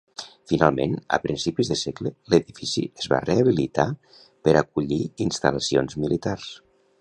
Finalment, a principis de segle, l'edifici es va rehabilitar per acollir instal·lacions militars.